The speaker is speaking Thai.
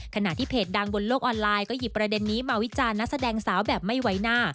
ขณะที่เพจดังบนโลกออนไลน์ก็หยิบประเด็นนี้มาวิจารณ์นักแสดงสาวแบบไม่ไว้หน้า